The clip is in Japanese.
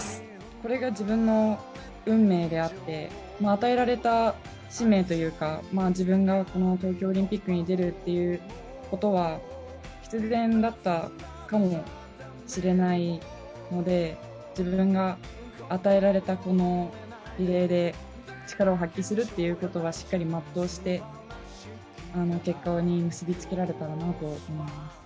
これが自分の運命であって、与えられた使命というか、自分がこの東京オリンピックに出るということは必然だったかもしれないので、自分が与えられたこのリレーで、力を発揮するということはしっかり全うして、結果に結び付けられたらなと思います。